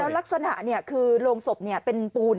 แล้วลงศพเป็นปูน